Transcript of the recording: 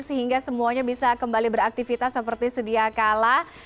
sehingga semuanya bisa kembali beraktivitas seperti sedia kala